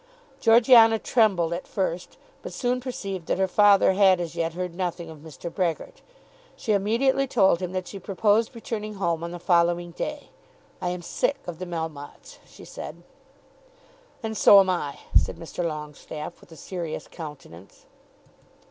Georgiana trembled at first, but soon perceived that her father had as yet heard nothing of Mr. Brehgert. She immediately told him that she proposed returning home on the following day. "I am sick of the Melmottes," she said. "And so am I," said Mr. Longestaffe, with a serious countenance.